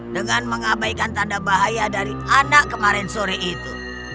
dengan mengabaikan tanda bahaya dari anak kemarin sore itu